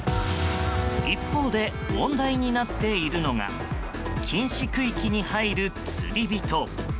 一方で問題になっているのが禁止区域に入る釣り人。